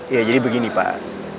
ya jadi begini pak